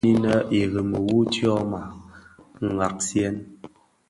Fölömin innë irèmi wu tyoma nshiaghèn.